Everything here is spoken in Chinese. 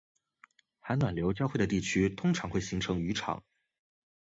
寒暖流交汇的地区通常会形成渔场